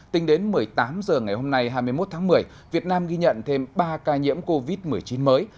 tính đến một mươi tám h ngày hôm nay hai mươi một tháng một mươi việt nam ghi nhận thêm ba ca nhiễm covid một mươi chín mới